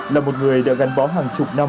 là một người đã gắn bó hàng chục năm